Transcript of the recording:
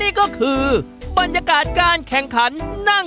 การนอนกรนนั่นก็สามารถเป็นการแข่งขันได้